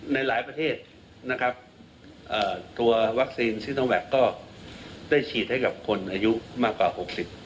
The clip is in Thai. ในหลายประเทศนะครับตัววัคซีนซิโนแวคก็ได้ฉีดให้กับคนอายุมากกว่า๖๐